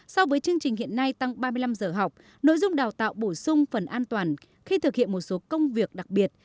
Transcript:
so với chương trình hiện nay tăng ba mươi năm giờ học nội dung đào tạo bổ sung phần an toàn khi thực hiện một số công việc đặc biệt